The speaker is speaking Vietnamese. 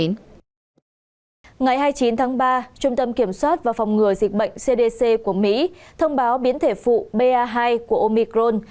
ngày hai mươi chín tháng ba trung tâm kiểm soát và phòng ngừa dịch bệnh cdc của mỹ thông báo biến thể phụ ba hai của omicron